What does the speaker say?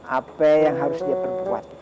apa yang harus dia perkuat